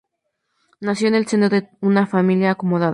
Nació en el seno de en una familia acomodada.